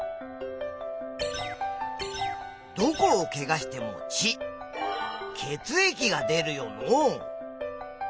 どこをケガしても血血液が出るよのう。